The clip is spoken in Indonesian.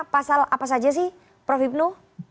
pasal apa saja sih prof hipnu